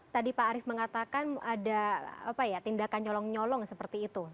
tadi pak arief mengatakan ada tindakan nyolong nyolong seperti itu